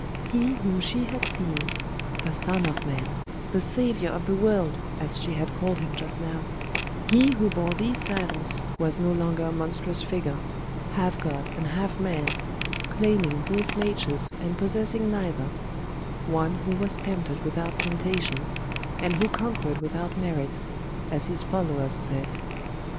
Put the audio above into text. He whom she had seen the Son of Man, the Saviour of the world, as she had called Him just now He who bore these titles was no longer a monstrous figure, half God and half man, claiming both natures and possessing neither; one who was tempted without temptation, and who conquered without merit, as his followers said.